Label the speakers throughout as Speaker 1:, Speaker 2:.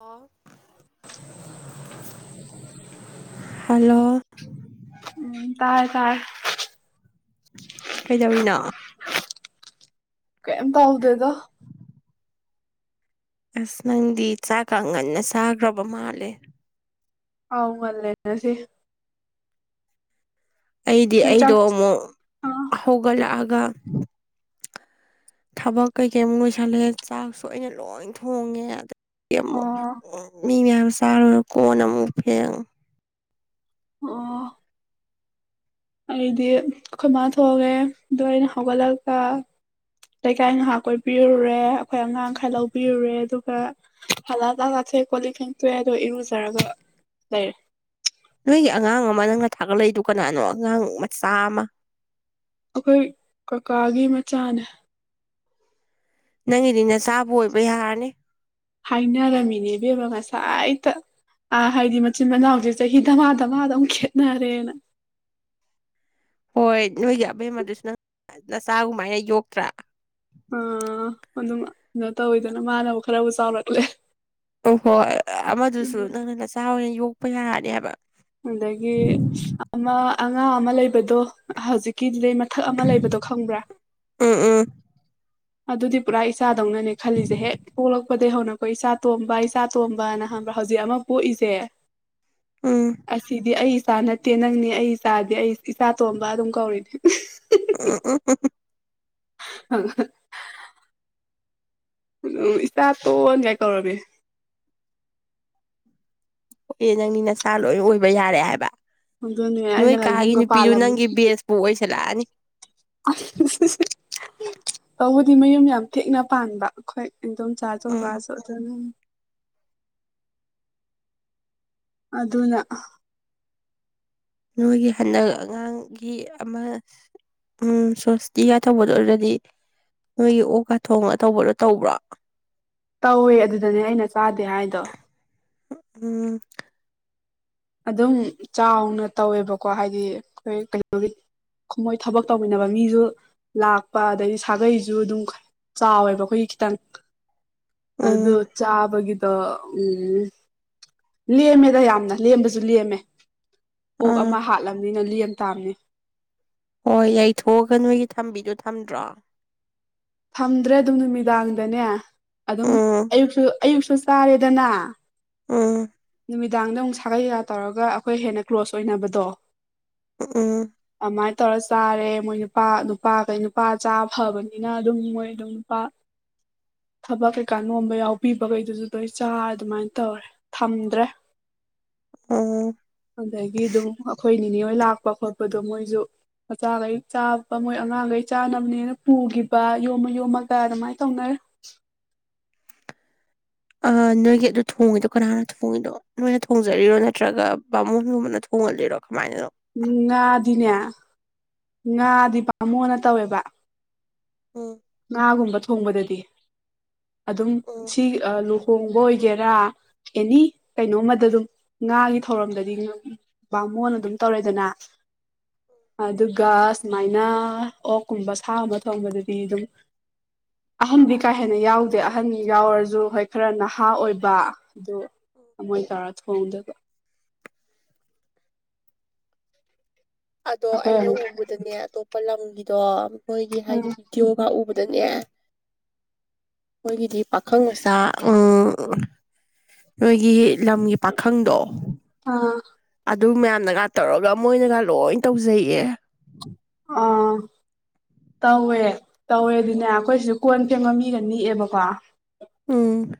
Speaker 1: ꯑꯣ ꯍꯜꯂꯣ
Speaker 2: ꯎꯝ ꯇꯥꯏ ꯇꯥꯏ
Speaker 1: ꯀꯩꯗꯧꯔꯤꯅꯣ
Speaker 2: ꯀꯩꯝ ꯇꯥꯎꯗꯗ
Speaker 1: ꯑꯁ ꯅꯪꯗꯤ ꯆꯥꯛ ꯀꯥꯡ ꯉꯟꯅ ꯆꯥꯈ꯭ꯔꯕ ꯃꯥꯜꯂꯦ
Speaker 2: ꯑꯥꯎ ꯉ ꯂꯅꯁꯤ
Speaker 1: ꯑꯩꯗꯤ
Speaker 2: ꯅꯣꯏ
Speaker 1: ꯑꯩꯗꯣ
Speaker 2: ꯆꯥꯛ
Speaker 1: ꯑꯃꯨꯛ
Speaker 2: ꯑꯥ
Speaker 1: ꯍꯧꯒꯠꯂꯛꯑꯒ ꯊꯕꯛ ꯀꯩꯀꯩꯃꯨꯛ ꯂꯁꯜꯂꯦ ꯆꯥꯛꯁꯨ ꯑꯩꯅ ꯂꯣꯏ ꯊꯣꯡꯉꯦ ꯑꯃꯨꯛ
Speaker 2: ꯑꯣ
Speaker 1: ꯃꯤ ꯃꯌꯥꯝ ꯆꯥꯔꯨꯔ ꯀꯣꯟꯅ ꯑꯃꯨꯛ ꯐꯦꯡ
Speaker 2: ꯑꯣ ꯑꯩꯗꯤ ꯑꯩꯈꯣꯏ ꯃꯥ ꯊꯣꯛꯣꯡꯑꯦ ꯑꯗꯣ ꯑꯩꯅ ꯍꯧꯒꯠꯂꯒ ꯂꯩꯀꯥꯏ ꯉꯥꯏꯍꯥꯛ ꯀꯣꯏꯕꯤꯔꯨꯔꯦ ꯑꯩꯈꯣꯏ ꯑꯉꯥꯡꯈꯩ ꯂꯧꯕꯤꯔꯨꯔꯦ ꯑꯗꯨꯒ ꯍꯂꯥ ꯇ ꯀꯣ ꯂꯤꯛꯊꯦꯡ ꯇꯦꯗꯣ ꯏꯔꯨꯖꯔꯒ ꯂꯩꯔꯦ
Speaker 1: ꯅꯣꯏꯒꯤ ꯑꯉꯥꯡ ꯅꯪꯅ ꯊꯥꯒꯠꯂꯛꯏꯗꯨ ꯀꯅꯥꯅꯣ ꯑꯉꯥꯡ ꯃꯆꯥ ꯑꯃ
Speaker 2: ꯑꯩꯈꯣꯏ ꯀꯀꯥꯒꯤ ꯃꯆꯥꯅꯦ
Speaker 1: ꯅꯪꯒꯤꯗꯤ ꯅꯆꯥꯕꯨ ꯑꯣꯏꯕ ꯌꯥꯔꯅꯤ
Speaker 2: ꯍꯥꯏꯅꯔꯝꯃꯤꯅꯦꯕꯦꯕ ꯉꯁꯥꯏꯗ ꯑ ꯍꯥꯏꯗꯤ ꯃꯆꯤꯟ ꯃꯅꯥꯎꯁꯦ ꯆꯍꯤ ꯇꯃꯥ ꯇꯃꯥꯗ ꯑꯗꯨꯝ ꯈꯦꯅꯔꯦꯅ
Speaker 1: ꯍꯣꯏ ꯅꯣꯏꯒꯤ ꯑꯕꯦꯝ ꯑꯗꯨꯁꯨ ꯅꯪ ꯅꯆꯥꯒꯃꯥꯏꯅ ꯌꯣꯛꯇ꯭ꯔꯥ
Speaker 2: ꯑ ꯑꯗꯨꯝ ꯑꯗꯨꯣ ꯇꯧꯋꯤꯗꯅ ꯃꯥꯅꯕꯕꯨ ꯈꯔꯕꯨ ꯆꯥꯎꯔꯛꯂꯦ
Speaker 1: ꯑꯣ ꯍꯣꯏ ꯑꯃꯗꯨꯁꯨ ꯅꯪꯅ ꯅꯆꯥ ꯑꯣꯏꯅ ꯌꯣꯛꯄ ꯌꯥꯔꯅꯤ ꯍꯥꯏꯕ
Speaker 2: ꯑꯗꯒꯤ ꯑꯃ ꯑꯉꯥꯡ ꯑꯃ ꯂꯩꯕꯗꯣ ꯍꯧꯖꯤꯛꯀꯤ ꯃꯊꯛ ꯑꯃ ꯂꯩꯕꯗꯣ ꯈꯪꯕ꯭ꯔꯥ
Speaker 1: ꯎꯝ ꯎꯝ
Speaker 2: ꯑꯗꯨꯗꯤ ꯄꯨꯔꯥ ꯏꯆꯥꯗꯧꯅꯅꯦ ꯈꯜꯂꯤꯁꯦ ꯍꯦꯛ ꯄꯣꯛꯂꯛꯄ ꯄꯣꯛꯄꯗꯒꯤꯩ ꯍꯧꯅꯀꯣ ꯏꯆꯥ ꯇꯣꯝꯕ ꯏꯆꯥ ꯇꯣꯝꯕꯅ ꯍꯕ꯭ꯔꯥ ꯍꯧꯖꯤꯛ ꯑꯃ ꯄꯣꯛꯏꯁꯦ
Speaker 1: ꯎꯝ
Speaker 2: ꯑꯁꯤꯗꯤ ꯑ ꯏꯆꯥ ꯅꯠꯇꯦ ꯅꯪꯅꯤ ꯑꯩ ꯏꯆꯥꯗꯤ ꯑꯩ ꯏꯆꯥ ꯇꯣꯟꯝꯕ ꯑꯗꯨꯝ ꯀꯧꯔꯤꯅꯦ
Speaker 1: ꯑ ꯑ
Speaker 2: ꯑ ꯎ ꯏꯁꯇꯥ ꯇꯣꯛꯟ ꯀꯥꯏ ꯀꯧꯔꯃꯤ
Speaker 1: ꯑꯣ ꯑꯦ ꯅꯪꯅꯤ ꯅꯁꯥ ꯂꯣꯏ ꯑꯣꯏꯕ ꯌꯥꯔꯦ ꯍꯥꯏꯕ
Speaker 2: ꯑꯗꯨꯅꯦ
Speaker 1: ꯅꯣꯏ
Speaker 2: ꯑꯩꯅꯒ
Speaker 1: ꯀꯥꯒꯤ
Speaker 2: ꯌꯨꯝꯒ
Speaker 1: ꯅꯨꯄꯤꯗꯨ ꯅꯪꯒꯤ ꯕꯦꯁꯄꯨ ꯑꯣꯏꯁꯜꯂꯛꯑꯅꯤ
Speaker 2: ꯑ ꯇꯧꯕꯗꯤ ꯃꯌꯨꯝ ꯌꯥꯝ ꯊꯦꯛꯅ ꯄꯥꯟꯕ ꯑꯩꯈꯣꯏ ꯏꯗꯣꯝ
Speaker 1: ꯎꯝ
Speaker 2: ꯆꯥꯖꯒꯥꯁꯨ ꯑꯗꯨꯅ ꯑꯗꯨꯅ
Speaker 1: ꯅꯣꯏꯒꯤ ꯍꯟꯗꯛ ꯑꯉꯥꯡꯒꯤ ꯑꯃ ꯎꯝ ꯁꯁꯇꯤꯒ ꯊꯧꯕꯗ ꯑꯣꯏꯔꯗꯤ ꯅꯣꯏꯒꯤ ꯑꯣꯒ ꯊꯣꯡꯒ ꯇꯧꯕꯗꯣ ꯇꯧꯕ꯭ꯔꯥ
Speaker 2: ꯇꯧꯋꯦ ꯑꯗꯨꯗꯅꯦ ꯑꯩꯅ ꯆꯥꯗꯦ ꯍꯥꯏꯗꯣ
Speaker 1: ꯎꯝ
Speaker 2: ꯑꯗꯨꯝ ꯆꯥꯎꯅ ꯇꯧꯋꯦꯕꯀꯣ ꯍꯥꯏꯗꯤ ꯑꯩꯈꯣꯏ ꯀꯩꯅꯒꯤ ꯃꯣꯏ ꯊꯕꯛ ꯇꯧꯃꯤꯟꯅꯕ ꯃꯤꯁꯨ ꯂꯥꯛꯄ ꯑꯗꯗꯒꯤ ꯁꯥꯒꯩꯁꯨ ꯑꯗꯨꯝ ꯆꯥꯎꯋꯦꯕ ꯑꯩꯈꯣꯏꯒꯤ ꯈꯤꯇꯪ ꯑꯗꯨ
Speaker 1: ꯎꯝ
Speaker 2: ꯆꯥꯕꯒꯤꯗꯣ ꯎꯝ ꯂꯦꯝꯃꯦꯗ ꯌꯥꯝꯅ ꯂꯦꯝꯕꯁꯨ ꯂꯦꯝꯃꯦ ꯑꯣꯛ
Speaker 1: ꯑꯥ
Speaker 2: ꯑꯃ ꯍꯥꯠꯂꯝꯕꯅꯤꯅ ꯂꯦꯝ ꯇꯥꯕꯅꯤ
Speaker 1: ꯍꯣꯏ ꯌꯩꯊꯣꯛꯑꯒ ꯅꯣꯏꯒꯤ ꯊꯝꯕꯤꯗꯨꯣ ꯊꯝꯗ꯭ꯔꯣ
Speaker 2: ꯊꯝꯗ꯭ꯔꯦ ꯑꯗꯨꯝ ꯅꯨꯃꯤꯗꯥꯡꯗꯅꯦ ꯑꯗꯨꯝ
Speaker 1: ꯎꯝ
Speaker 2: ꯑꯌꯨꯛꯁꯨ ꯑꯌꯨꯛꯁꯨ ꯆꯥꯔꯦꯗꯅ
Speaker 1: ꯎꯝ
Speaker 2: ꯅꯨꯃꯤꯗꯥꯡꯗ ꯑꯃꯨꯛ ꯁꯥꯒꯩ ꯀꯒ ꯇꯧꯔꯒ ꯑꯩꯈꯣꯏ ꯍꯦꯟꯅ ꯀ꯭ꯂꯣꯖ ꯑꯣꯏꯅꯕꯗꯣ
Speaker 1: ꯑ
Speaker 2: ꯑꯗꯨꯃꯥꯏꯅ ꯇꯧꯔ ꯆꯥꯔꯦ ꯃꯣꯏ ꯅꯨꯄꯥ ꯅꯨꯄꯥ ꯀꯩ ꯅꯨꯄꯥ ꯆꯥ ꯐꯕꯅꯤꯅ ꯑꯗꯨꯝ ꯃꯣꯏ ꯑꯗꯨꯝ ꯅꯨꯄꯥ ꯊꯕꯛ ꯀꯩꯀꯥ ꯅꯣꯝꯕ ꯌꯥꯎꯕꯤꯕꯈꯩꯗꯨꯁꯨ ꯂꯣꯏ ꯆꯥꯔ ꯑꯗꯨꯃꯥꯏꯅ ꯇꯧꯔꯦ ꯊꯝꯗ꯭ꯔꯦ
Speaker 1: ꯎꯝ
Speaker 2: ꯑꯗꯒꯤ ꯑꯗꯨꯝ ꯑꯩꯈꯣꯏ ꯅꯤꯅꯤ ꯂꯥꯛꯄ ꯈꯣꯠꯄꯗꯣ ꯃꯣꯏꯁꯨ ꯃꯆꯥꯈꯩ ꯆꯥꯕ ꯃꯣꯏ ꯑꯉꯥꯡꯈꯩ ꯆꯥꯅꯕꯅꯦꯅ ꯄꯨꯈꯤꯕ ꯌꯣꯝꯃ ꯌꯣꯝꯃꯒ ꯑꯗꯨꯃꯥꯏꯅ ꯇꯧꯅꯔ
Speaker 1: [inaudible] ꯑ ꯅꯣꯏꯒꯤ ꯑꯗꯨ ꯊꯣꯡꯉꯤꯗꯣ ꯀꯅꯥꯅ ꯊꯣꯡꯉꯤꯅꯣ ꯅꯣꯏꯅ ꯊꯣꯡꯖꯔꯤꯔꯣ ꯅꯠꯇ꯭ꯔꯒ ꯕꯥꯃꯣꯟꯒꯨꯝꯕꯅ ꯊꯣꯡꯉ [unintelligible] ꯔꯛ ꯃꯥꯏꯅꯤꯅꯣ
Speaker 2: ꯎꯝ ꯉꯥꯗꯤꯅꯦ ꯉꯥꯗꯤ ꯄꯕꯥꯥꯃꯣꯅ ꯇꯧꯋꯦꯕ
Speaker 1: ꯎꯝ
Speaker 2: ꯉꯥꯒꯨꯝꯕ ꯊꯣꯡꯕꯗꯗꯤ ꯑꯗꯨꯝ
Speaker 1: ꯎꯝ
Speaker 2: ꯁꯤ ꯂꯨ ꯍꯣꯡꯕ ꯑꯣꯏꯒꯦꯔꯥ ꯑꯦꯅꯤ ꯀꯩꯅꯣꯃꯗ ꯑꯗꯨꯝ ꯉꯥꯒꯤ ꯊꯧꯔꯝꯗꯗꯤ ꯑꯃꯨꯛꯅ ꯑꯗꯨꯝ ꯇꯧꯔꯦꯗꯅ ꯑꯗꯨꯒ ꯁꯨꯃꯥꯏꯅ ꯑꯣꯛꯀꯨꯝꯕ ꯁꯥꯒꯨꯝꯕ ꯊꯣꯡꯕꯗꯗꯤ ꯑꯗꯨꯝ
Speaker 1: [unintelligible]
Speaker 2: ꯑꯍꯟꯗꯤ ꯀꯥ ꯍꯦꯟꯅ ꯌꯥꯎꯗꯦ ꯑꯍꯟ ꯌꯥꯎꯔꯁꯨ ꯍꯣꯏ ꯈꯔ ꯅꯍꯥ ꯑꯣꯏꯕ ꯑꯗꯣ ꯑꯃꯣꯏ ꯇꯥꯔ ꯊꯣꯡꯗꯕ
Speaker 1: ꯑꯗꯣ
Speaker 2: ꯑꯩꯈꯣꯏ
Speaker 1: ꯑꯩꯅ
Speaker 2: ꯑꯃꯨꯛ
Speaker 1: ꯎꯕꯗꯅꯦ ꯑꯇꯣꯞꯄ ꯂꯝꯒꯤꯗꯣ ꯃꯣꯏꯒꯤ ꯍꯥꯏꯗꯤ
Speaker 2: ꯎꯝ
Speaker 1: ꯕꯤꯗꯤꯑꯣꯒ ꯎꯕꯗ ꯑꯗꯨꯗꯅꯦ ꯃꯣꯏꯒꯤꯗꯤ ꯄꯥꯈꯪ ꯃꯆꯥ ꯎꯝ ꯅꯣꯏꯒꯤ ꯂꯝꯒꯤ ꯄꯥꯈꯪꯗꯣ
Speaker 2: ꯑꯥ
Speaker 1: ꯑꯗꯨ ꯃꯌꯥꯝꯅꯒ ꯇꯧꯔꯒ ꯃꯣꯏꯅꯒ ꯂꯣꯏ ꯇꯧꯖꯩꯑꯦ
Speaker 2: ꯑꯥ
Speaker 1: [unintelligible]
Speaker 2: ꯇꯧꯋꯦ ꯇꯧꯋꯦ ꯑꯗꯨꯅꯦ ꯑꯩꯈꯣꯏꯁꯤꯁꯨ ꯀꯣꯟ ꯐꯦꯡꯕ ꯃꯤꯒ ꯅꯦꯛꯑꯦꯕꯀꯣ
Speaker 1: ꯎꯝ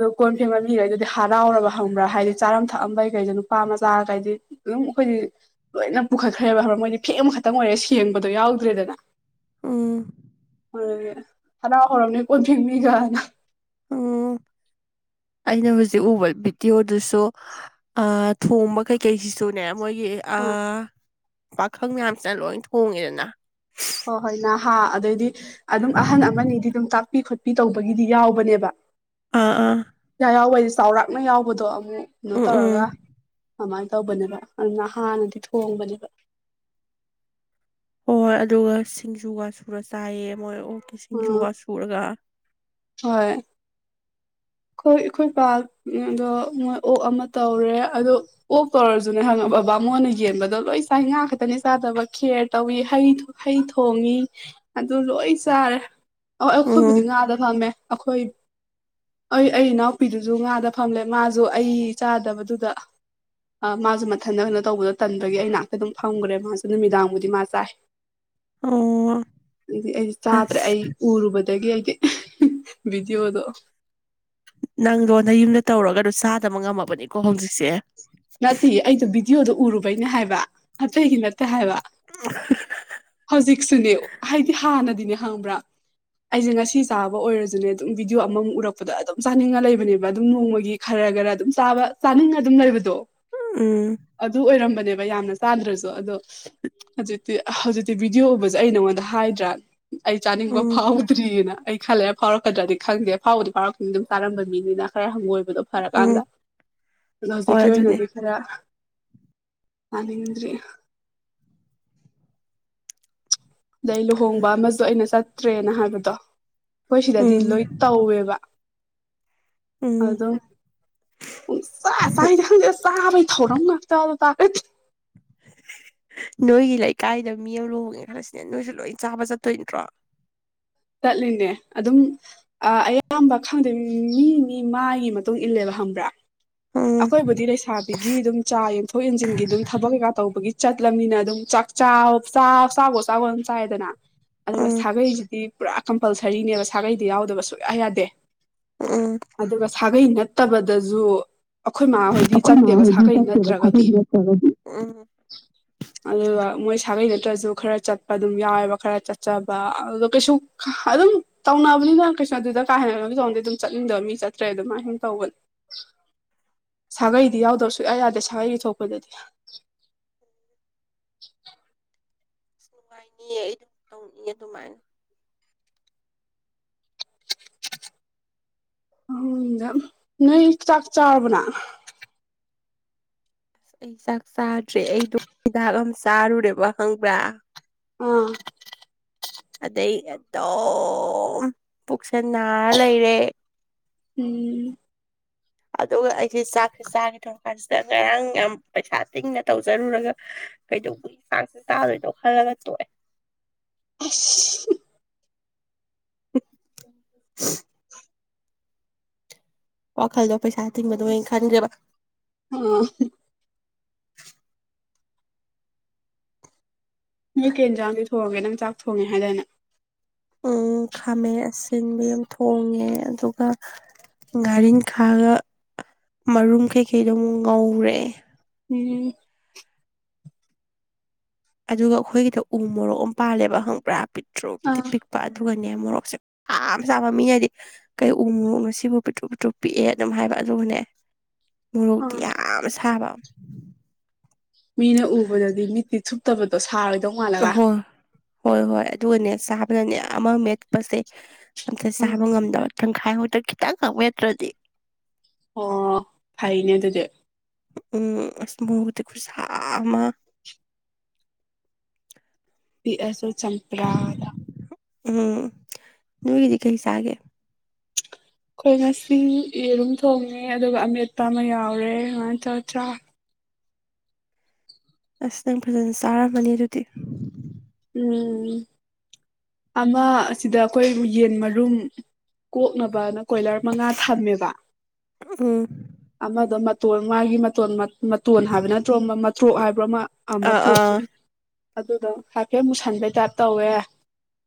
Speaker 2: ꯑꯗꯨꯣ ꯀꯣꯟ ꯐꯦꯝꯕ ꯃꯤꯈꯩꯗꯨꯗꯤ ꯍꯔꯥꯎꯔꯕ ꯍꯪꯕ꯭ꯔꯥ ꯍꯥꯏꯗꯤ ꯆꯥꯔꯝ ꯊꯛꯑꯝꯕꯩ ꯀꯩꯗ ꯅꯨꯄꯥ ꯃꯆꯥ ꯀꯩꯗꯤ ꯑꯗꯨꯝ ꯑꯩꯈꯣꯏꯗꯤ ꯂꯣꯏꯅ ꯄꯨꯈꯠꯈ꯭ꯔꯦꯕ ꯍꯥꯏ ꯃꯣꯏꯗꯤ ꯐꯦꯡ ꯑꯃꯈꯛꯇꯪ ꯑꯣꯏꯔꯦ ꯁꯦꯡꯕꯗꯣ ꯌꯥꯎꯗ꯭ꯔꯦꯗꯅ
Speaker 1: ꯎꯝ
Speaker 2: ꯍꯣꯏ ꯍꯔꯥꯎ ꯍꯔꯝꯅꯤ ꯀꯣꯟ ꯐꯦꯡꯕꯤꯒꯗꯣ
Speaker 1: ꯑꯣꯝ ꯑꯩꯅ ꯍꯧꯖꯤꯛ ꯎꯕ ꯚꯤꯗꯤꯑꯣꯗꯨꯁꯨ ꯊꯣꯡꯕ ꯀꯩꯀꯩꯁꯤꯁꯨꯅꯦ ꯃꯣꯏꯒꯤ ꯄꯥꯈꯪ ꯃꯌꯥꯝꯁꯤꯅ ꯂꯣꯏ ꯊꯣꯡꯉꯦꯗꯅ
Speaker 2: ꯍꯣꯏ ꯍꯣꯏ ꯅꯍꯥ ꯑꯗꯩꯗꯤ ꯑꯗꯨꯝ ꯑꯍꯟ ꯑꯃꯅꯤꯗꯤ ꯑꯗꯨꯝ ꯇꯥꯛ ꯇꯥꯛꯄꯤ ꯈꯣꯠꯄꯤ ꯇꯧꯕꯒꯤꯗꯤ ꯌꯥꯎꯕꯅꯦꯕ
Speaker 1: ꯑꯥ ꯑꯥ
Speaker 2: ꯌꯥꯎꯕꯩꯗꯤ ꯆꯥꯎꯔꯥꯛꯅ ꯌꯥꯎꯕꯗꯣ ꯑꯃꯨꯛ ꯀꯩꯅꯣ
Speaker 1: ꯎꯝ ꯎꯝ
Speaker 2: ꯇꯧꯔꯒ ꯑꯗꯨꯃꯥꯏꯅ ꯇꯧꯕꯅꯦꯕ ꯑꯗꯨꯅ ꯍꯥꯟꯅꯗꯤ ꯊꯣꯡꯕꯅꯦꯕ
Speaker 1: ꯍꯣꯏ ꯑꯗꯨꯒ ꯁꯤꯡꯖꯨꯒ ꯁꯨꯔ ꯆꯥꯏꯑ ꯃꯣꯏ ꯑꯣꯀꯦ
Speaker 2: ꯑꯥ
Speaker 1: ꯁꯤꯡꯖꯨꯒ ꯁꯨꯔꯒ
Speaker 2: ꯍꯣꯏ ꯑꯩꯈꯣꯏ ꯑꯩꯈꯣꯏ ꯄꯥꯛ ꯑꯗꯣ ꯃꯣꯏ ꯑꯣꯛ ꯑꯃ ꯇꯧꯔꯦ ꯑꯗꯣ ꯑꯣꯛ ꯇꯧꯔꯁꯨꯅꯦ ꯍꯪꯉꯕ ꯕꯕꯥ ꯃꯣꯟꯅ ꯌꯦꯟꯕꯗꯣ ꯂꯣꯏ ꯆꯥ ꯉꯥ ꯈꯛꯇꯅꯤ ꯆꯥꯗꯕ ꯀꯦꯌꯔ ꯇꯧꯏ ꯍꯩ ꯍꯩ ꯊꯣꯡꯉꯤ ꯑꯗꯨ ꯂꯣꯏ ꯆꯥꯔꯦ ꯍ
Speaker 1: ꯎꯝ
Speaker 2: ꯑꯩꯈꯣꯏꯕꯨꯗꯤ ꯉꯥꯗ ꯐꯝꯃꯦ ꯑꯩꯈꯣꯏ ꯑꯩ ꯑꯩ ꯏꯅꯥꯎꯄꯤꯗꯨꯁꯨ ꯉꯥꯗ ꯐꯝꯂꯦ ꯃꯥꯁꯨ ꯑꯩ ꯆꯥꯗꯕꯗꯨꯗ ꯃꯥꯁꯨ ꯃꯊꯟꯇ ꯀꯩꯅꯣ ꯇꯧꯕꯗꯣ ꯇꯟꯕꯒꯤ ꯑꯩ ꯉꯥꯏꯍꯥꯛꯇ ꯑꯗꯨꯝ ꯐꯝꯈ꯭ꯔꯦ ꯃꯥꯁꯨ ꯅꯨꯃꯤꯗꯥꯡꯕꯨꯗꯤ ꯃꯥ ꯆꯥꯏ
Speaker 1: ꯑꯣꯝ
Speaker 2: ꯑꯗꯨꯗꯤ ꯑꯩꯗꯤ ꯆꯥꯗ꯭ꯔꯦ ꯑꯩ ꯎꯔꯨꯕꯗꯒꯤ ꯑꯩꯗꯤ ꯚꯤꯗꯤꯑꯣꯗꯣ
Speaker 1: ꯅꯪꯗꯣ ꯅ ꯌꯨꯝꯗ ꯇꯧꯔꯒ ꯑꯗꯨ ꯆꯥꯗꯕ ꯉꯝꯃꯕꯅꯤꯀꯣ ꯍꯧꯖꯤꯛꯁꯦ
Speaker 2: ꯅꯠꯇꯦ ꯑꯩꯗꯣ ꯚꯤꯗꯤꯑꯣꯗꯣ ꯎꯔꯨꯕꯩꯅꯦ ꯍꯥꯏꯕ ꯑꯇꯩꯒꯤ ꯅꯠꯇꯦ ꯍꯥꯏꯕ
Speaker 1: [unintelligible]
Speaker 2: ꯅꯦ ꯍꯥꯏꯗꯤ ꯍꯥꯟꯅꯗꯤꯅꯦ ꯍꯪꯕ꯭ꯔꯥ ꯑꯩꯁꯦ ꯉꯁꯤ ꯆꯥꯕ ꯑꯣꯏꯔꯁꯨꯅꯦ ꯑꯗꯨꯝ ꯚꯗꯤꯑꯣ ꯑꯃꯃꯨ ꯎꯔꯛꯄꯗ ꯑꯗꯨꯝ ꯆꯥꯅꯤꯡꯉ ꯂꯩꯕꯅꯦꯕ ꯑꯗꯨꯝ ꯅꯣꯡꯃꯒꯤ ꯈꯔ ꯈꯔ ꯈꯔ ꯑꯗꯨꯝ ꯆꯥꯕ ꯆꯥꯅꯤꯡꯉ ꯑꯗꯨꯝ ꯂꯩꯕꯗꯣ
Speaker 1: ꯎꯝ
Speaker 2: ꯑꯗꯨ ꯑꯣꯏꯔꯝꯕꯅꯦꯕ ꯌꯥꯝꯅ ꯆꯥꯗ꯭ꯔꯁꯨ ꯑꯗꯣ ꯍꯧꯖꯤꯛꯇꯤ ꯍꯧꯖꯤꯛꯇꯤ ꯚꯤꯗꯤꯑꯣ ꯎꯕꯁꯦ ꯑꯩ ꯅꯉꯣꯟꯗ ꯍꯥꯏꯗ꯭ꯔꯥ ꯑꯩ ꯆꯥꯅꯤꯡꯕ
Speaker 1: ꯎꯝ
Speaker 2: ꯐꯥꯎꯗ꯭ꯔꯤꯑꯅ ꯑꯩ ꯈꯜꯂꯦ ꯐꯥꯎꯔꯛꯀꯗ꯭ꯔꯗꯤ ꯈꯪꯗꯦ ꯐꯥꯎꯕꯗꯤ ꯐꯥꯎꯔꯛ ꯑꯗꯨꯝ ꯇꯥꯔꯝꯕ ꯃꯤꯅꯤꯅ ꯈꯔ ꯍꯪꯒꯣꯏꯕꯗꯣ
Speaker 1: ꯎꯝ
Speaker 2: ꯐꯔꯀꯥꯟꯗ ꯑꯗꯣ
Speaker 1: ꯍꯣꯏ
Speaker 2: ꯍꯧꯖꯤꯛꯀꯤ
Speaker 1: ꯑꯗꯨꯅꯦ
Speaker 2: ꯑꯣꯏꯅꯗꯤ [unintelligible] ꯑꯗꯩ ꯂꯨꯍꯣꯡꯕ ꯑꯃꯁꯨ ꯑꯩꯅ ꯆꯠꯇ꯭ꯔꯦꯅ ꯍꯥꯏꯕꯗꯣ ꯑꯩꯈꯣꯏ ꯁꯤꯗꯗꯤ
Speaker 1: ꯎꯝ
Speaker 2: ꯂꯣꯏ ꯇꯧꯋꯦꯕ
Speaker 1: ꯎꯝ
Speaker 2: ꯑꯗꯨꯝ ꯄꯨꯡꯆꯥ ꯆꯥꯏꯗꯦ ꯈꯪꯗꯦ ꯆꯥꯕꯩ ꯊꯧꯔꯝ ꯉꯥꯛꯇꯗ ꯇꯥꯈ
Speaker 1: [unintelligible] ꯅꯣꯏꯒꯤ ꯂꯩꯀꯥꯏꯗ ꯃꯤ ꯑꯃ ꯂꯨꯍꯣꯡꯒꯦ ꯈꯜꯂꯁꯤꯅꯦ ꯅꯣꯏꯁꯨ ꯂꯣꯏ ꯆꯥꯕ ꯆꯠꯇꯣꯏ ꯅꯠꯇ꯭ꯔꯣ
Speaker 2: ꯆꯠꯂꯤꯅꯦ ꯑꯗꯨꯝ ꯑꯌꯥꯝꯕ ꯈꯪꯗꯦ ꯃꯤ ꯃꯤ ꯃꯥꯒꯤ ꯃꯇꯨꯡ ꯏꯜꯂꯦꯕ
Speaker 1: ꯎꯝ
Speaker 2: ꯑꯩꯈꯣꯏꯕꯨꯗꯤ ꯂꯩꯁꯥꯕꯤꯒꯤ ꯆ ꯌꯦꯟꯊꯣꯛ ꯌꯦꯟꯁꯤꯟ ꯊꯕꯛ ꯀꯩ ꯇꯧꯕꯒꯤ ꯆꯠꯂꯝꯅꯤꯅ ꯑꯗꯨꯝ ꯆꯥꯛ ꯆ ꯆꯥꯕꯣ ꯆ ꯆꯥꯎꯕꯣ ꯑꯗꯨꯝ ꯆꯥꯏꯗꯅ ꯑꯗꯨꯒ
Speaker 1: ꯎꯝ
Speaker 2: ꯁꯥꯒꯩꯁꯤꯗꯤ ꯄꯨꯔꯥ ꯀꯝꯄꯜꯁꯔꯤꯅꯦꯕ ꯁꯥꯒꯩꯗ ꯌꯥꯎꯗꯕ ꯁꯨꯡꯌꯥ ꯌꯥꯗꯦ
Speaker 1: ꯎꯝ
Speaker 2: ꯑꯗꯨꯒ ꯁꯥꯒꯩ ꯅꯠꯇꯕꯗꯁꯨ ꯑꯩꯈꯣꯏ ꯃꯥꯃꯥꯍꯣꯏꯗꯤ
Speaker 1: ꯑꯩꯈꯣꯏ ꯃꯥ
Speaker 2: ꯆꯠꯇꯦꯕ
Speaker 1: ꯍꯣꯏꯗꯤ
Speaker 2: ꯁꯥꯒꯩ
Speaker 1: ꯆꯠꯇꯦꯕ ꯁꯥꯒꯩ
Speaker 2: ꯅꯠꯇ꯭ꯔꯒꯗꯤ
Speaker 1: ꯅꯠꯇ꯭ꯔꯒꯗꯤ ꯎꯝ
Speaker 2: ꯑꯗꯨꯒ ꯃꯣꯏ ꯁꯥꯒꯩ ꯅꯠꯇ꯭ꯔꯁꯨ ꯈꯔ ꯆꯠꯄ ꯑꯗꯨꯝ ꯌꯥꯎꯋꯦꯕ ꯈꯔ ꯆꯠꯆꯕ ꯑꯗꯨꯒ ꯀꯩꯁꯨ ꯑꯗꯨꯝ ꯇꯧꯅꯕꯅꯤꯅ ꯀꯩꯁꯨꯅꯣ ꯑꯗꯨꯗ ꯀꯥ ꯍꯦꯟꯅꯔꯒ ꯇꯣꯝꯗꯩ ꯑꯗꯨꯝ ꯆꯠꯅꯤꯡꯗꯕ ꯃꯤ ꯆꯠꯇ꯭ꯔꯦ ꯑꯗꯨꯃꯥꯏꯅ ꯁꯨꯝ ꯇꯧꯕꯅꯤ
Speaker 1: [unintelligible]
Speaker 2: ꯁꯥꯒꯩꯗꯤ ꯌꯥꯎꯗꯕ ꯁꯨꯌꯥ ꯌꯥꯗꯦ ꯁꯥꯒꯩꯒꯤ ꯊꯣꯛꯄꯗꯗꯤ [unintelligible]
Speaker 1: ꯑꯁ ꯅꯨꯡꯉꯥꯏꯅꯤꯌꯦ ꯑꯩ ꯑꯗꯨꯝ ꯇꯧꯅꯤꯡꯉꯦ ꯑꯗꯨꯃꯥꯏꯅ
Speaker 2: ꯎꯗ ꯅꯣꯏ ꯆꯥꯛ ꯆꯥꯔꯕꯅ
Speaker 1: ꯑꯁ ꯑꯩ ꯆꯥꯛ ꯆꯥꯗ꯭ꯔꯦ ꯑꯩꯗꯣ ꯍꯤꯗꯥꯛ ꯑꯃ ꯆꯥꯔꯨꯔꯦꯕ ꯈꯪꯕ꯭ꯔꯥ
Speaker 2: ꯑꯥ
Speaker 1: ꯑꯗꯩꯗꯣ ꯄꯨꯛꯁꯟꯅꯔ ꯂꯩꯔꯦ
Speaker 2: ꯎꯝ
Speaker 1: ꯑꯗꯨꯒ ꯑꯩꯁꯦ ꯆꯥꯛꯁꯦ ꯆꯥꯒꯦ ꯇꯧꯔ ꯀꯥꯟꯁꯤꯗ ꯉꯔꯥꯡ ꯌꯥꯝ ꯄꯩꯁꯥ ꯇꯤꯡꯅ ꯇꯧꯖꯔꯨꯔꯒ ꯀꯩꯗꯧꯕꯒꯤ ꯆꯥꯡꯁꯦ ꯆꯥꯗꯣꯏꯅꯣ ꯈꯜꯂꯒ ꯇꯣꯛꯑꯦ
Speaker 2: ꯑꯁ
Speaker 1: [unintelligible] ꯋꯥꯈꯜꯗꯣ ꯄꯩꯁꯥ ꯊꯤꯡꯕꯗꯣ ꯑ ꯈꯟꯈꯦꯕ
Speaker 2: ꯑ ꯃꯤ ꯀꯦꯟ ꯆꯥꯡꯗꯤ ꯊꯣꯡꯉꯒꯦ ꯅꯪ ꯆꯥꯛ ꯊꯣꯡꯉꯦ ꯍꯥꯏꯗꯥꯅ
Speaker 1: ꯈꯥꯝꯃꯦ ꯑꯁꯤꯁꯤꯡꯕ ꯌꯥꯝ ꯊꯣꯡꯉꯦ ꯑꯗꯨꯒ ꯒꯥꯔꯤꯟ ꯈꯥꯒ ꯃꯔꯨꯝ ꯀꯩꯀꯩꯗꯣ ꯑꯃꯨꯛ ꯉꯧꯔꯦ
Speaker 2: ꯎꯝ
Speaker 1: ꯑꯗꯨꯒ ꯑꯩꯈꯣꯏꯒꯤꯗꯣ ꯎ ꯃꯣꯔꯣꯛ ꯑꯃ ꯄꯥꯜꯂꯦꯕ ꯍꯪꯕ꯭ꯔꯥ ꯄꯤꯛꯇ꯭ꯔꯨꯛꯇꯤ
Speaker 2: ꯑꯥ
Speaker 1: ꯄꯤꯛꯄ ꯑꯗꯨꯒ ꯃꯣꯔꯣꯛꯁꯦ ꯌꯥꯝꯥ ꯆꯥꯕ ꯃꯤꯅꯗꯤ ꯀꯩ ꯎ ꯃꯣꯔꯣꯛꯅꯣ ꯁꯤꯕꯨ ꯄꯤꯇ꯭ꯔꯨ ꯄꯤꯇ꯭ꯔꯨꯞ ꯄꯤꯛꯑꯦ ꯑꯗꯨꯝ ꯍꯥꯏꯕ ꯅꯦ ꯃꯣꯔꯣꯛꯇꯤ
Speaker 2: ꯑꯥ
Speaker 1: ꯌꯥꯝ ꯁꯥꯕ
Speaker 2: ꯃꯤꯅ ꯎꯕꯗꯗꯤ ꯃꯤꯠꯇꯤ ꯆꯨꯞꯇꯕꯗꯣ ꯁꯥꯔꯒ
Speaker 1: ꯑꯍꯣ ꯍꯣꯏ ꯍꯣꯏ ꯑꯗꯨꯒꯅꯦ ꯆꯥꯕꯗꯅꯦ ꯑꯃ ꯃꯦꯠꯄꯁꯦ ꯑꯝꯇ
Speaker 2: ꯑ
Speaker 1: ꯆꯥꯕ ꯉꯝꯗꯕ ꯇꯪꯈꯥꯏ ꯍꯥꯎꯗ ꯈꯤꯇꯪ ꯍꯛ ꯋꯥꯠꯇ꯭ꯔꯗꯤ
Speaker 2: ꯑꯣ ꯐꯩꯅꯦ ꯑꯗꯨꯗꯤ
Speaker 1: ꯎꯝ ꯑꯁ ꯃꯍꯗꯤ ꯈꯨꯨꯁ ꯑꯃ
Speaker 2: ꯄꯤ ꯑꯁꯨ ꯆꯝꯄ꯭ꯔꯥꯗ
Speaker 1: ꯎꯝ ꯅꯒꯗꯤ ꯀꯩꯁꯒꯦ
Speaker 2: ꯑꯩꯈꯣꯏ ꯉꯁꯤ ꯌꯦꯔꯨꯝ ꯊꯣꯡꯉꯦ ꯑꯗꯨꯒ ꯑꯃꯦꯠꯄ ꯑꯃ ꯌꯥꯎꯔꯦ ꯁꯨꯃꯥꯏꯅ ꯇꯧꯗ꯭ꯔꯥ
Speaker 1: ꯑꯁ ꯅꯪ ꯐꯖꯅ ꯆꯥꯔꯝꯃꯅꯤ ꯑꯗꯨꯗꯤ
Speaker 2: ꯎꯝ ꯑꯃ ꯁꯤꯗ ꯑꯩꯈꯣꯏ ꯌꯦꯟ ꯃꯔꯨꯝ ꯀꯣꯛꯅꯕꯅ ꯀꯣꯏꯂꯔ ꯃꯉꯥ ꯊꯝꯃꯦꯕ
Speaker 1: ꯎꯝ
Speaker 2: ꯑꯃꯗꯣ ꯃꯇꯣꯟ ꯃꯥꯒꯤ ꯃꯇꯣꯟ ꯃꯇꯣꯟ ꯍꯥꯏꯕ ꯅꯠꯇ꯭ꯔꯣ ꯑꯃ ꯃꯇꯇ꯭ꯔꯣꯛ ꯍꯥꯏꯕ꯭ꯔꯣ ꯑꯃ
Speaker 1: ꯑꯥ
Speaker 2: ꯃꯇ꯭ꯔꯣꯛ
Speaker 1: ꯑꯥ
Speaker 2: ꯑꯗꯨꯗꯣ ꯍꯥꯏꯐꯦꯠ ꯃꯨꯁꯟꯕꯩ ꯇꯥꯏꯞ ꯇꯧꯋꯦ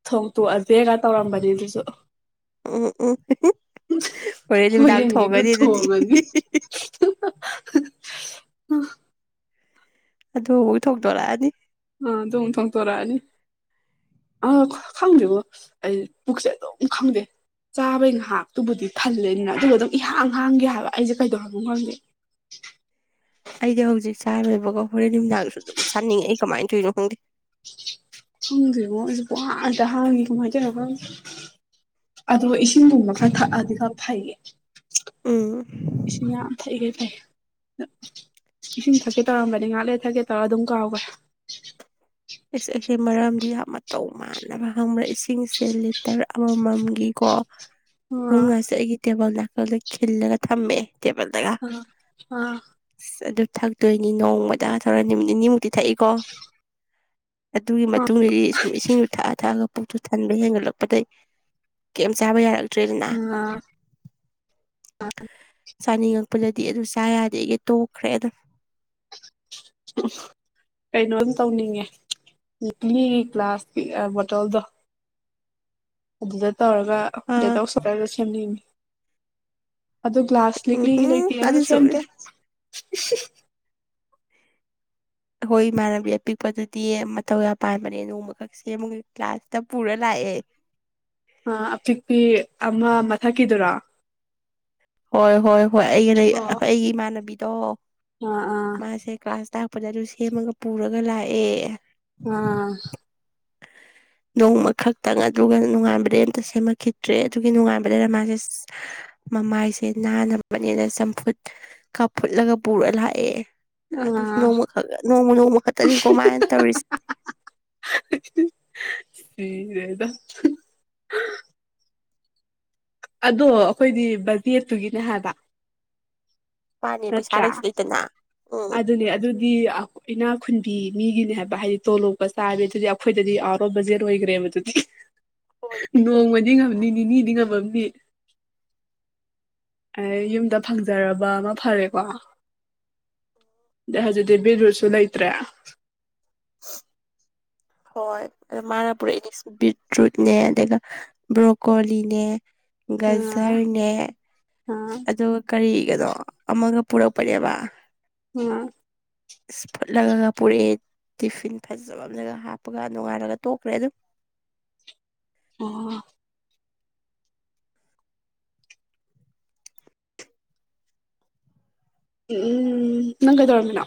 Speaker 2: ꯊꯣꯡꯇꯣꯛꯑ ꯍꯦꯒ ꯇꯧꯔꯝꯕꯅꯤ ꯑꯗꯨꯁꯨ
Speaker 1: ꯎꯝ ꯎꯝ ꯍꯣꯔꯦꯟ
Speaker 2: ꯍꯣꯏ
Speaker 1: ꯅꯨꯃꯤꯗꯥꯡ
Speaker 2: ꯌꯦꯡꯒꯤꯗꯨ
Speaker 1: ꯊꯣꯡꯉꯅꯤ ꯑꯗꯨꯗꯤ
Speaker 2: ꯊꯣꯡꯉꯅꯤ [unintelligible]
Speaker 1: ꯑꯗꯨ ꯍꯧꯖꯤꯛ ꯊꯣꯛꯇꯣꯔꯛꯑꯅꯤ
Speaker 2: ꯑ ꯑꯗꯨꯣꯡ ꯊꯣꯡꯇꯣꯔꯛꯑꯅꯤꯦ ꯑꯥ ꯈꯪꯗꯦꯕꯣ ꯑꯩ ꯄꯨꯛꯁꯦ ꯑꯗꯨꯝ ꯈꯪꯗꯦ ꯆꯥꯕꯩꯅ ꯍꯇꯨꯕꯨꯗꯤ ꯊꯜꯂꯦꯅꯤꯅ ꯑꯗꯨꯕꯨ ꯑꯗꯨꯝ ꯏꯍꯥꯡ ꯍꯥꯡꯒꯦ ꯍꯥꯏꯕ ꯑꯩꯁꯦ ꯀꯩꯗꯧ ꯍꯥꯏꯟꯕ ꯉꯝꯗꯦ
Speaker 1: [unintelligible] ꯑꯩꯗꯤ ꯍꯧꯖꯤꯛ ꯆꯔꯣꯏꯕꯒ ꯍꯣꯔꯦꯟ ꯃꯤꯗꯥꯡꯁꯨ ꯑꯗꯨꯝ ꯆꯥꯅꯤꯡꯉꯦ ꯑꯩ ꯀꯃꯥꯏꯅ ꯇꯧꯔꯤꯅꯣ ꯈꯪꯗꯦ
Speaker 2: ꯍꯪꯗꯦꯉꯣ ꯑꯩꯁꯨꯕꯨꯥꯡꯗ ꯍꯥꯡꯉꯤ ꯀꯃꯥꯏꯅ ꯇꯔ ꯑꯗꯨꯒ ꯏꯁꯤꯡꯒꯨꯝꯕ ꯈꯔ ꯊꯛꯑꯗꯤ ꯈ ꯐꯩꯌꯦ
Speaker 1: ꯎꯝ
Speaker 2: ꯏꯁꯤꯡ ꯌꯥꯝ ꯊꯛꯏꯈꯩ ꯐꯩ ꯏꯁꯤꯡ ꯊꯛꯀꯦ ꯇꯧꯔꯝꯕꯅꯤ ꯉꯥꯥꯛꯂꯦ ꯊꯛꯀꯦ ꯇꯧꯔꯒ ꯑꯗꯨꯝ ꯀꯥꯎꯈ꯭ꯔꯦ
Speaker 1: ꯑꯩꯁ ꯑꯩꯁꯦ ꯃꯔꯝꯗꯤ ꯌꯥꯝ ꯃꯇꯧ ꯃꯥꯟꯅꯕ ꯈꯪꯕ꯭ꯔꯥ ꯏꯁꯤꯡꯁꯦ ꯂꯤꯇꯔ ꯑꯃꯃꯝꯒꯤꯀꯣ
Speaker 2: ꯑ
Speaker 1: ꯑꯍꯨꯝꯒꯁꯨ ꯑꯩꯒꯤ ꯇꯦꯕꯜ ꯅꯥꯀꯒ ꯈꯤꯜꯂꯒ ꯊꯝꯃꯦꯦ ꯦꯄꯗꯒ
Speaker 2: ꯑ
Speaker 1: ꯊꯛꯇꯣꯏꯅꯤ ꯅꯣꯡꯃꯗ ꯊꯧꯔ ꯅꯨꯃꯤꯠ ꯅꯤꯅꯤꯃꯨꯛꯇꯤ ꯊꯛꯏꯀꯣ ꯑꯗꯨꯒꯤ
Speaker 2: ꯑ
Speaker 1: ꯃꯇꯨꯡꯗꯗꯤ ꯁꯨꯝ ꯏꯁꯤꯡꯗꯨ ꯊꯥꯛꯑ ꯊꯥꯛꯑꯒ ꯄꯨꯛꯇꯨ ꯊꯟꯕ ꯍꯦꯟꯒꯠꯂꯛꯄꯗꯒꯤꯩ ꯀꯝ ꯆꯥꯕ ꯌꯥꯔꯦ
Speaker 2: ꯑꯝ
Speaker 1: ꯆꯥꯅꯤꯡꯉꯛꯄꯗꯗꯤ ꯑꯗꯨ ꯆꯥ ꯌꯥꯗꯦ ꯑꯩꯒꯤ ꯇꯣꯛꯈ꯭ꯔꯦ ꯑꯗꯨꯝ
Speaker 2: [unintelligible] ꯀꯩꯅꯣꯝ ꯇꯧꯅꯤꯡꯉꯦ ꯂꯤ [unintelligible] ꯕꯣꯇꯜꯗꯣ ꯑꯗꯨꯗ ꯇꯧꯔꯒ ꯗꯦꯠ
Speaker 1: ꯑꯥ
Speaker 2: ꯑꯣꯐ ꯁꯔꯄ꯭ꯔꯥꯏꯁꯗ ꯁꯦꯝꯅꯤꯡꯅꯤ ꯑꯗꯨ ꯒ꯭ꯂꯥꯁ
Speaker 1: ꯎꯝ
Speaker 2: ꯂꯤꯛꯂꯤꯒꯤ
Speaker 1: ꯍꯨꯝ
Speaker 2: ꯂꯩꯇꯦ ꯑꯗꯨ
Speaker 1: ꯑꯗꯨꯁꯨ
Speaker 2: ꯁꯦꯝꯗꯦ
Speaker 1: ꯏꯁ ꯑꯩꯏ ꯏꯃꯥꯟꯅꯕꯤ ꯑꯄꯤꯛꯄꯗꯨꯗꯤ ꯃꯇꯧ ꯑ ꯄꯥꯟꯕꯅꯦ ꯅꯣꯡꯃꯈꯛꯁꯦ ꯑꯃꯨ ꯀ꯭ꯂꯥꯁꯇ ꯄꯨꯔ ꯂꯥꯛꯑ ꯑꯦ
Speaker 2: ꯑ ꯑꯄꯤꯛꯄꯤ ꯑꯃ ꯃꯊꯛꯀꯤꯗꯨꯔꯥ
Speaker 1: ꯍꯣꯏ ꯍꯣꯏ ꯍꯣꯏ ꯑꯩꯒꯤ
Speaker 2: ꯑꯣ
Speaker 1: ꯑꯩꯒꯤ ꯏꯃꯥꯟꯅꯕꯤꯗꯣ
Speaker 2: ꯑꯥ
Speaker 1: ꯃꯥꯁꯦ ꯀ꯭ꯂꯥꯁ ꯇꯥꯛꯄꯗ ꯑꯗꯨ ꯁꯦꯝꯃꯒ ꯄꯨꯔꯒ ꯂꯥꯛꯑꯦ
Speaker 2: ꯑꯥ
Speaker 1: [unintelligible] ꯅꯣꯡꯃ ꯈꯛꯇꯪ ꯑꯗꯨꯒ ꯅꯨꯡꯉꯥꯏꯕꯗꯩ ꯑꯝꯇ ꯁꯦꯝꯃꯛꯈꯤꯗ꯭ꯔꯦ ꯑꯗꯨꯒꯤ ꯅꯨꯡꯉꯥꯏꯥꯟꯕꯗꯩꯗ ꯃꯥꯁꯦ ꯃꯃꯥꯏꯁꯦ ꯅꯥꯕꯅꯤꯅ ꯆꯝꯐꯨꯠ ꯀꯥꯞꯐꯨꯠꯂꯒ ꯄꯨꯔ ꯂꯥꯛꯑꯦ ꯑꯗꯨꯁꯨ
Speaker 2: ꯑꯥ ꯑ
Speaker 1: ꯅꯣꯡꯃꯈꯛ ꯅꯣꯡꯃ ꯅꯣꯡꯃ ꯈꯛꯇꯅꯤ ꯀꯣꯃꯥꯏꯅ ꯇꯧꯔꯤꯁꯦ
Speaker 2: ꯁꯤꯗꯗ ꯑꯗꯣ ꯑꯩꯈꯣꯏꯗꯤ ꯕꯖꯦꯠꯇꯨꯒꯤꯅꯦ ꯍꯥꯏꯕ
Speaker 1: ꯃꯥꯅꯦ ꯄꯩꯁꯥ
Speaker 2: ꯅꯠꯇ꯭ꯔꯥ
Speaker 1: ꯂꯩꯁꯨ ꯂꯩꯇꯅ ꯎꯝ
Speaker 2: ꯑꯗꯨꯅꯦ ꯑꯗꯨꯗꯤ ꯏꯅꯥ ꯈꯨꯟꯕꯤ ꯃꯤꯒꯤꯅꯦ ꯍꯥꯏꯕ ꯍꯥꯏꯗꯤ ꯇꯣꯂꯣꯞꯄ ꯆꯥꯕ ꯑꯗꯨꯗꯤ ꯑꯩꯈꯣꯏꯗꯗꯤ ꯑꯥꯎꯠ ꯑꯣꯐ ꯕꯖꯦꯠ ꯑꯣꯏꯈ꯭ꯔꯦꯕ ꯑꯗꯨꯗꯤ
Speaker 1: ꯍꯣꯏ ꯑꯗꯨꯗꯤ
Speaker 2: ꯅꯣꯡꯃꯗꯤ ꯉꯝꯅꯤ ꯅꯤꯅꯤꯗꯤ ꯉꯝꯃꯝꯅꯤ ꯑꯩ ꯌꯨꯝꯗ ꯐꯪꯖꯔꯕ ꯑꯃ ꯐꯔꯦꯀꯣ ꯗꯦꯍꯖꯗꯤ ꯕꯤꯔꯨꯁꯨ ꯂꯩꯇ꯭ꯔꯦ
Speaker 1: [unintelligible] ꯍꯣꯏ ꯃꯔ ꯄꯨꯔꯛꯏ ꯕꯤꯗ꯭ꯔꯨꯠꯅꯦ ꯑꯗꯨꯒ ꯕ꯭ꯔꯣꯀꯣꯂꯤꯅꯦ
Speaker 2: ꯑꯥ
Speaker 1: ꯒꯖꯔꯅꯦ
Speaker 2: ꯑꯥ
Speaker 1: ꯑꯗꯨꯒ ꯀꯔꯤ ꯀꯗꯣ ꯑꯃꯒ ꯄꯨꯔꯛꯄꯅꯦꯕ
Speaker 2: ꯎꯝ
Speaker 1: [unintelligible] ꯀ ꯄꯨꯨꯔꯦ ꯇꯤꯐꯤꯟ ꯐꯖꯕꯂꯒ ꯍꯥꯞꯄꯒ ꯅꯨꯡꯉꯥꯏꯔꯒ ꯇꯣꯛꯈ꯭ꯔꯦ ꯑꯗꯨ
Speaker 2: ꯑꯣ ꯎ ꯎꯝ ꯅꯪꯒꯥꯏꯗꯧꯃꯤꯅꯥ